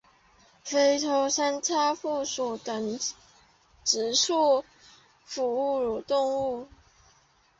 非洲三叉蝠属等之数种哺乳动物。